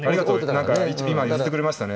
何か今譲ってくれましたね